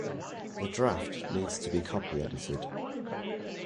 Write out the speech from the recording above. The draft needs to be copy edited